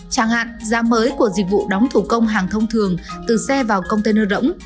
chẳng hạn giá mới của dịch vụ đóng thủ công hàng thông thường từ xe vào container rỗng